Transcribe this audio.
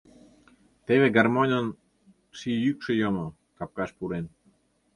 Теве гармоньын ший йӱкшӧ Йомо, капкаш пурен.